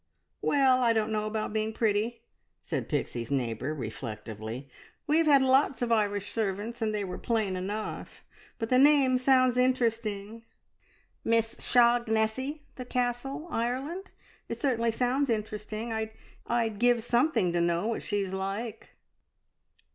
"Well, I don't know about being pretty," said Pixie's neighbour reflectively. "We have had lots of Irish servants, and they were plain enough. But the name sounds interesting `Miss Shog nessie the Castle Ireland.' It certainly sounds interesting. I'd give something to know what she is like."